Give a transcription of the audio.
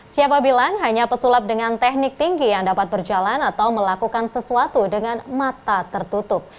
siapa bilang hanya pesulap dengan teknik tinggi yang dapat berjalan atau melakukan sesuatu dengan mata tertutup